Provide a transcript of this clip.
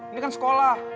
ini kan sekolah